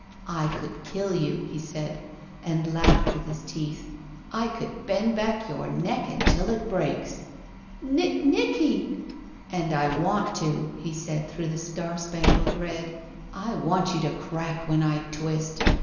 "I could kill you," he said, and laughed with his teeth. ''I could bend back your neck until it breaks." "Ni— i— Nic ky— " *'And I want to,'* he said through the star spangled red. I want you to crack when I twist.